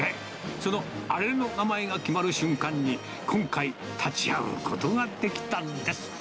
そのあれの名前が決まる瞬間に、今回、立ち会うことができたんです。